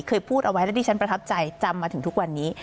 เคยพูดเอาไว้แล้วที่ฉันประทับใจจำมาถึงทุกวันนี้